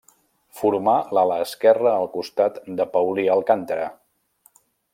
Formà l'ala esquerra al costat de Paulí Alcàntara.